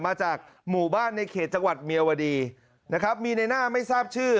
มาจากหมู่บ้านในเขตจังหวัดเมียวดีนะครับมีในหน้าไม่ทราบชื่อ